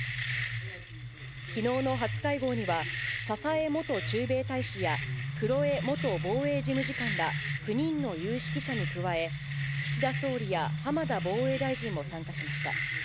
きのうの初会合には、佐々江元駐米大使や、黒江元防衛事務次官ら９人の有識者に加え、岸田総理や浜田防衛大臣も参加しました。